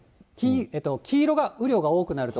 黄色が雨量が多くなる所。